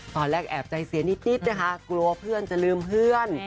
แอบใจเสียนิดนะคะกลัวเพื่อนจะลืมเพื่อน